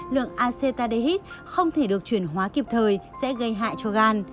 lượng actadhid không thể được chuyển hóa kịp thời sẽ gây hại cho gan